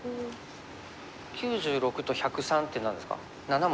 ９６と１０３って何ですか？